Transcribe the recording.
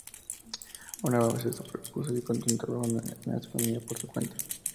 Una vez más se sobrepuso y continuó trabajando en astronomía por su cuenta.